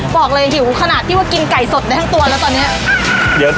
บอกเลยหิวขนาดที่ว่ากินไก่สดได้ทั้งตัวแล้วตอนนี้